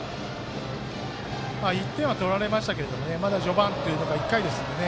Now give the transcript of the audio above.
１点は取られましたけれどまだ序盤というか１回ですのでね。